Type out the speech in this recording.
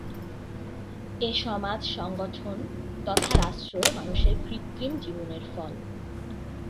এ সমাজ সংগঠন তথা রাষ্ট্র মানুষের কৃত্রিম জীবনের ফল।